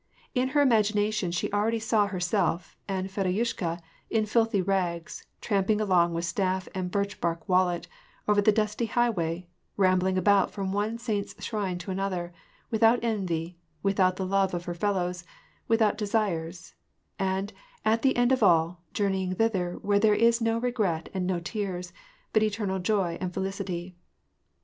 In her imagination she already saw herself and Fedosyushka, in filthy rags, tramping along with staff and birch bark wallet, over the dusty highway, rambling about from one saint's shrine to another : without envy, without the love of her fellows, without desires ; and, at the end of all, journeying thither where there is no regret and no tears, but eternal joy and felicity.